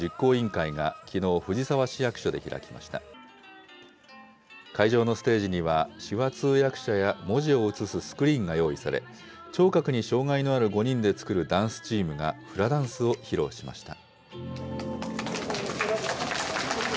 会場のステージには、手話通訳者や文字を映すスクリーンが用意され、聴覚に障害のある５人で作るダンスチームが、フラダンスを披露しました。